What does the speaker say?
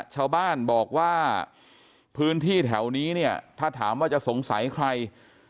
ชาวบ้านบอกว่าพื้นที่แถวนี้เนี่ยถ้าถามว่าจะสงสัยใคร